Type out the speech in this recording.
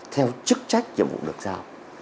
theo chức trách nhiệm vụ được giao